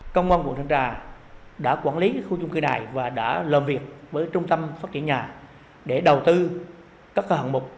công an quận thanh trà đã quản lý khu chung cư này và đã làm việc với trung tâm phát triển nhà để đầu tư các hạng mục